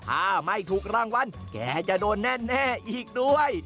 ถ้าไม่ถูกรางวัลแกจะโดนแน่อีกด้วย